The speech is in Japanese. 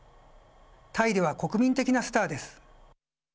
タイでは国民的なスターです。